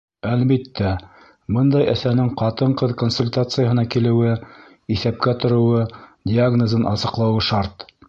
Әлбиттә, бындай әсәнең ҡатын-ҡыҙ консультацияһына килеүе, иҫәпкә тороуы, диагнозын асыҡлауы шарт.